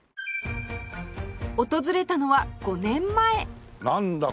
訪れたのは５年前なんだ？